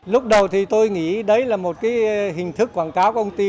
lúc đầu thì tôi nghĩ đấy là một cái hình thức quảng cáo của công ty